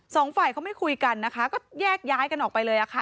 สองฝ่ายเขาไม่คุยกันนะคะก็แยกย้ายกันออกไปเลยอะค่ะ